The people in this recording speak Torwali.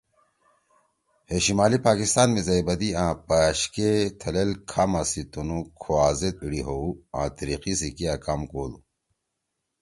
ہے شمالی پاکستان می زئیبدی آں پأشکے تھلیل کھاما سی تنُو کُھوا زید ایِڑی ہؤ او تیِریِقی سی کیا کام کودُو۔